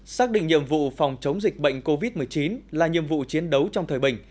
xác định nhiệm vụ phòng chống dịch bệnh covid một mươi chín là nhiệm vụ chiến đấu trong thời bình